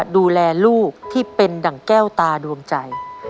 ดูแลลูกที่เป็นดั่งแก้วตาดวงใจ